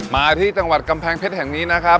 มาที่จังหวัดกำแพงเพชรแห่งนี้นะครับ